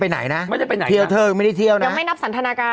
ไหนนะไม่ได้ไปไหนเที่ยวไม่ได้เที่ยวนะยังไม่นับสันทนาการ